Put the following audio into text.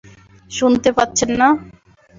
শুনতে পাচ্ছেন না?